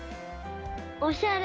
おしゃれ。